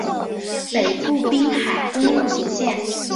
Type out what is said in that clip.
北部滨海公路所见